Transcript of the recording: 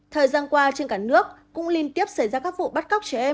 thời gian qua trên cả nước cũng liên tiếp xảy ra các vụ bắt cóc trẻ em